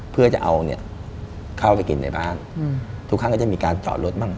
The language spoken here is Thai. เพื่อจะเอาเนี่ยเข้าไปกินในบ้านทุกครั้งก็จะมีการจอดรถบ้าง